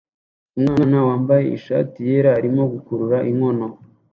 Umwana wambaye ishati yera arimo gukurura inkono